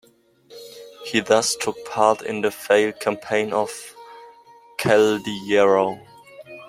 He thus took part in the failed campaign of Caldiero.